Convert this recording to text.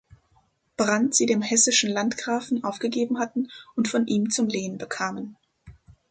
Brand sie dem hessischen Landgrafen aufgegeben hatten und von ihm zu Lehen bekamen.